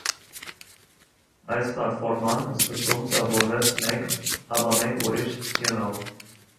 Այս պլատֆորման սկզբում ձևավորվեց մեկ, ապա մեկ ուրիշ սյունով։